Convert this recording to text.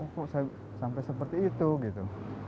kok saya sampai seperti itu gitu